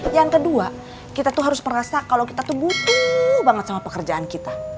yang kedua kita tuh harus merasa kalau kita tuh butuh banget sama pekerjaan kita